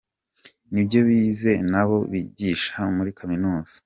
n’ibyo bize nabo bigisha muri Kaminuza’.